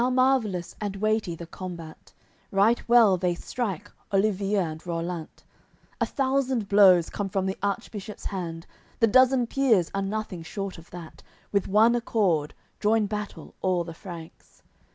AOI. CX Now marvellous and weighty the combat, Right well they strike, Olivier and Rollant, A thousand blows come from the Archbishop's hand, The dozen peers are nothing short of that, With one accord join battle all the Franks.